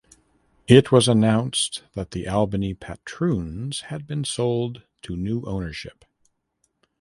It was announced that the Albany Patroons had been sold to new ownership.